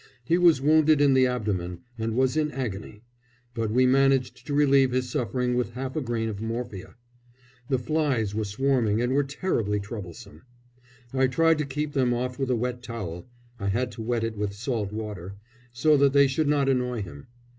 He was wounded in the abdomen, and was in agony, but we managed to relieve his suffering with half a grain of morphia. The flies were swarming and were terribly troublesome. I tried to keep them off with a wet towel I had to wet it in salt water so that they should not annoy him.